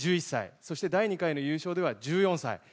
そして第２回の優勝では１４歳。